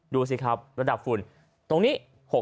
ดูสิครับระดับฝุ่นตรงนี้